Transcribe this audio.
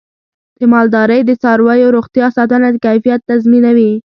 د مالدارۍ د څارویو روغتیا ساتنه د کیفیت تضمینوي.